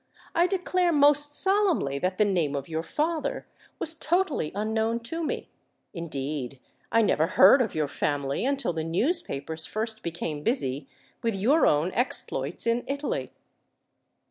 "I declare most solemnly that the name of your father was totally unknown to me: indeed, I never heard of your family until the newspapers first became busy with your own exploits in Italy."